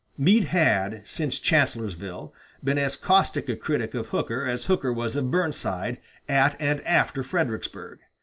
Meade had, since Chancellorsville, been as caustic a critic of Hooker as Hooker was of Burnside at and after Fredericksburg.